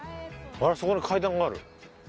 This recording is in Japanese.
あっそこに階段がある。